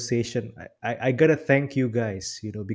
saya harus berterima kasih kepada anda